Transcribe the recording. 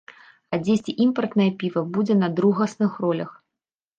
А дзесьці імпартнае піва будзе на другасных ролях.